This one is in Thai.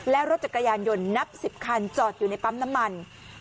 และรถจักรยานยนต์นับ๑๐คันจอดอยู่ในปั๊มน้ำมัน